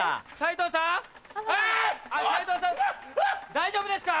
大丈夫ですか？